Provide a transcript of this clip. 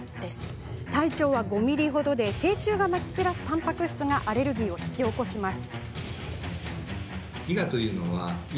体長５ｍｍほどで成虫がまき散らすたんぱく質がアレルギーを引き起こします。